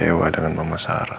jewah dengan mama sarah